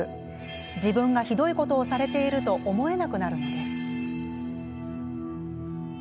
自分がひどいことをされていると思えなくなるのです。